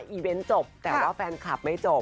เวนต์จบแต่ว่าแฟนคลับไม่จบ